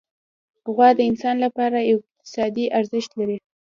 غوا د انسان لپاره یو اقتصادي ارزښت لري.